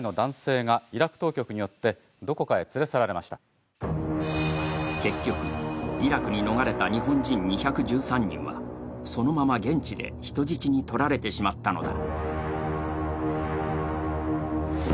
だが結局、イラクに逃れた日本人２１３人はそのまま現地で人質にとられてしまったのだ。